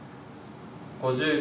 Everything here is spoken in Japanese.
５０秒。